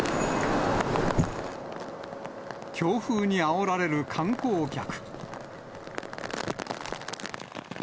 強風にあおられる観光客。